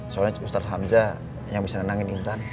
soalnya ustadz hamzah yang bisa nenangin intan